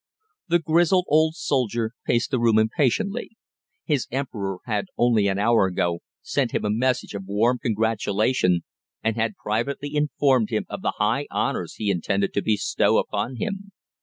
The grizzled old soldier paced the room impatiently. His Emperor had only an hour ago sent him a message of warm congratulation, and had privately informed him of the high honours he intended to bestow upon him.